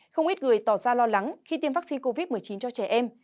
không ít người tỏ ra lo lắng khi tiêm vaccine covid một mươi chín cho trẻ em